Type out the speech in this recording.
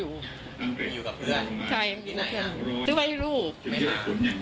อยู่กับเพื่อนใช่อยู่กับเพื่อนซื้อไว้ให้ลูกไม่มา